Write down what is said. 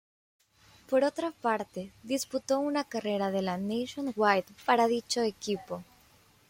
Por otra parte, disputó una carrera de la Nationwide para dicho equipo.